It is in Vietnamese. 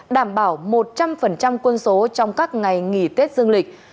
đảm bảo một trăm linh quân số trong các ngày nghỉ tết dương lịch